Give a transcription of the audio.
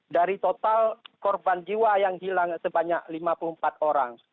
dari total korban jiwa yang hilang sebanyak lima puluh empat orang